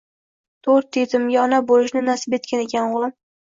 to'rt yetimga ona bo'lishni nasib etgan ekan, o'g'lim.